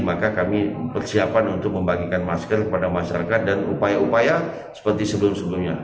maka kami persiapan untuk membagikan masker kepada masyarakat dan upaya upaya seperti sebelum sebelumnya